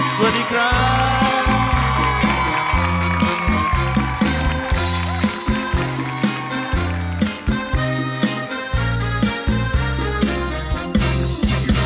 สวัสดีครับ